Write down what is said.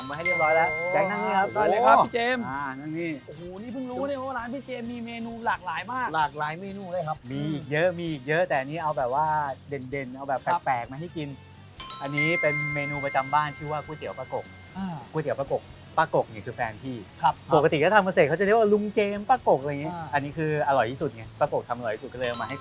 โอเคเดี๋ยวพี่พาไปกินไปไปกินนำพี่เจมส์คือเหนื่อยมั้ยวะ